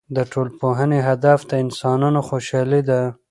د ټولنپوهنې هدف د انسانانو خوشحالي ده.